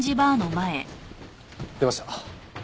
出ました。